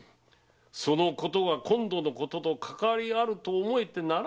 そのことが今度のこととかかわりあると思えてならぬ。